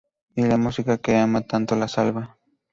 Y la música que ama tanto la salva.